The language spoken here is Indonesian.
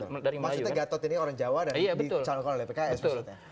maksudnya gatot ini orang jawa dan di calon calon dari pks maksudnya